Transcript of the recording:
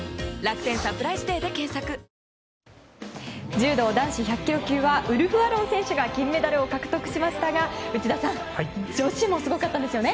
柔道男子１００ｋｇ級はウルフ・アロン選手が金メダルを獲得しましたが内田さん女子もすごかったんですよね。